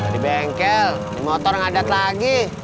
di bengkel di motor ngadat lagi